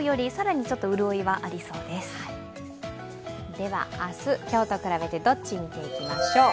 では、明日今日と比べてどっち見ていきましょう。